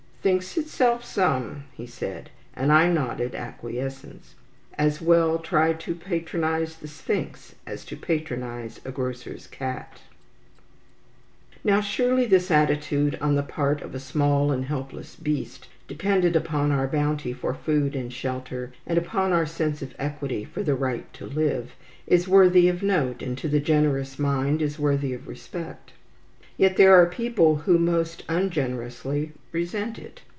"Thinks itself some," he said, and I nodded acquiescence. As well try to patronize the Sphinx as to patronize a grocer's cat. Now, surely this attitude on the part of a small and helpless beast, dependent upon our bounty for food and shelter, and upon our sense of equity for the right to live, is worthy of note, and, to the generous mind, is worthy of respect. Yet there are people who most ungenerously resent it.